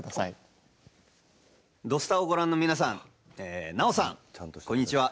「土スタ」をご覧の皆さん南朋さん、こんにちは。